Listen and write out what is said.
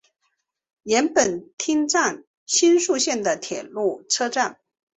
岩本町站新宿线的铁路车站。